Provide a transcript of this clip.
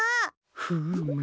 フーム。